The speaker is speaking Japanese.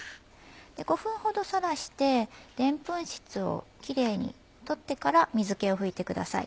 ５分ほどさらしてでんぷん質をキレイに取ってから水気を拭いてください。